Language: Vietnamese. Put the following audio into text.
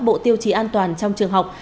bộ tiêu chí an toàn trong trường học